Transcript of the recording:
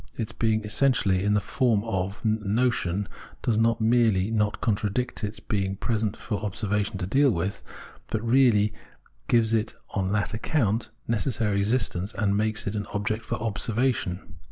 But its being essentially in the form VOL. I.— R 242 Phencnnenology of Blind of a notion does not merely not contradict its being pre sent for observation to deal with, but really gives it on that account necessary existence, and makes it an object for observation.